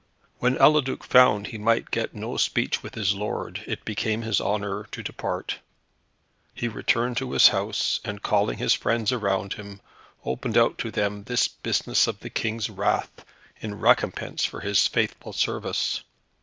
When Eliduc found that he might get no speech with his lord, it became his honour to depart. He returned to his house, and calling his friends around him, opened out to them this business of the King's wrath, in recompense for his faithful service.